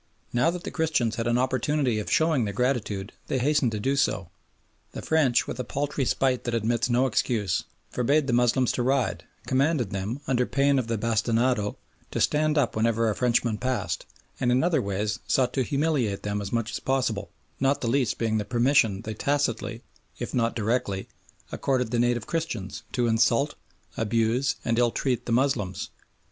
Now that the Christians had an opportunity of showing their gratitude they hastened to do so. The French, with a paltry spite that admits no excuse, forbade the Moslems to ride, commanded them, under pain of the bastinado, to stand up whenever a Frenchman passed, and in other ways sought to humiliate them as much as possible, not the least being the permission they tacitly, if not directly, accorded the native Christians to insult, abuse, and ill treat the Moslems.